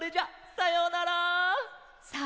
さようなら！